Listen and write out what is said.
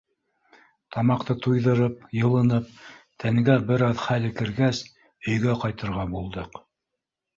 Тамаҡты туйҙырып, йылынып, тәнгә бер аҙ хәл кергәс, өйгә ҡайтырға булдыҡ.